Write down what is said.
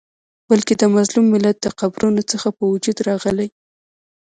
بلکي د مظلوم ملت د قبرونو څخه په وجود راغلی